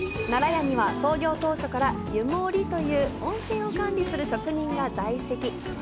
奈良屋には創業当初から湯守という温泉を管理する職人が在籍。